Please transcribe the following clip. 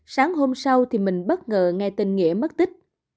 sáng hôm sau thì mình bất ngờ nghe tin nghĩa mất tích